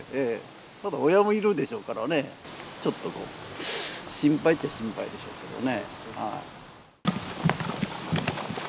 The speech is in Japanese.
ただ、親もいるでしょうからね、ちょっとこう、心配っちゃ心配ですけどね。